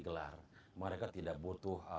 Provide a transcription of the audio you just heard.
gelar mereka tidak butuh